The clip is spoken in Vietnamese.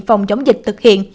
phòng chống dịch thực hiện